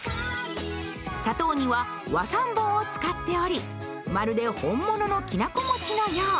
砂糖には和三盆を使っておりまるで本物のきな粉餅のよう。